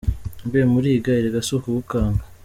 Mbe Muringa erega sukugukanga